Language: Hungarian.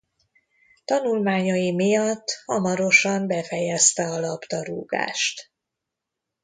Tanulmányai miatt hamarosan befejezte a labdarúgást.